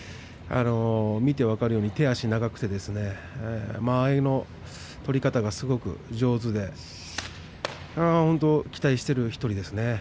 見て分かるように手足が長くて間合いの取り方がすごく上手で期待している１人ですね。